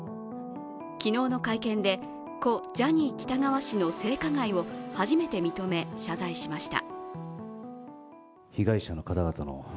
昨日の会見で故・ジャニー喜多川氏の性加害を初めて認め謝罪しました。